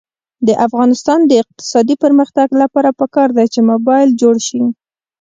د افغانستان د اقتصادي پرمختګ لپاره پکار ده چې موبلایل جوړ شي.